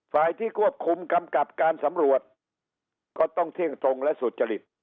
ที่ควบคุมกำกับการสำรวจก็ต้องเที่ยงตรงและสุจริต